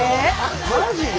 マジで？